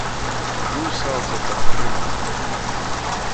Jū sauce par prymaku.